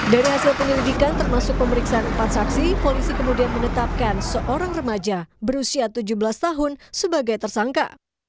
dari hasil penyelidikan termasuk pemeriksaan empat saksi polisi kemudian menetapkan seorang remaja berusia tujuh belas tahun sebagai tersangka